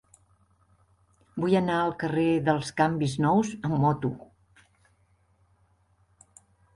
Vull anar al carrer dels Canvis Nous amb moto.